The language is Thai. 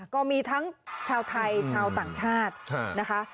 ก็มีทั้งชาวไทยชาวต่างชาตินะคะ